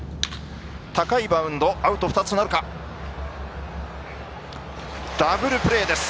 高いバウンドアウト２つになるか。